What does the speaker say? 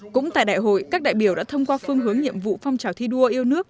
cũng tại đại hội các đại biểu đã thông qua phương hướng nhiệm vụ phong trào thi đua yêu nước